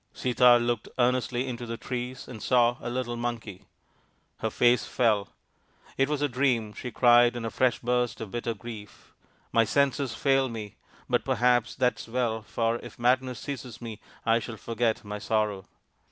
Sita looked earnestly into the trees and saw a little monkey. Her face fell " It was a dream," she cried, in a fresh burst of bitter grief. " My senses fail me ! But perhaps that is well, for if madness seizes me I shall forget my sorrow."